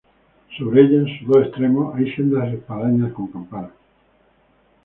Sobre ella, en sus dos extremos, hay sendas espadañas con campanas.